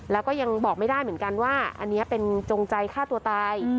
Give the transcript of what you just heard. แล้วก็ยังบอกไม่ได้เหมือนกันว่าอันนี้เป็นจงใจฆ่าตัวตาย